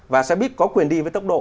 và xe buýt có quyền đi với tốc độ